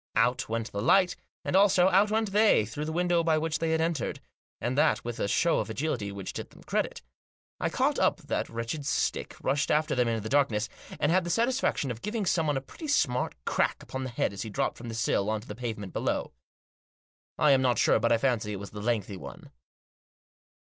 Out went the light, and, also, out went they, through the window by which they had entered, and that with a show of agility which did them credit. I caught up that wretched stick, rushed after them in the darkness, and had the satisfaction of giving someone a pretty smart crack upon the head as he dropped from the sill on to the pavement below. I am not sure, but I fancy it was the lengthy one.